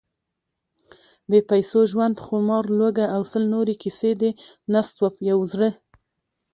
بې پیسو ژوند، خمار، لوږه… او سل نورې کیسې، د نستوه یو زړهٔ: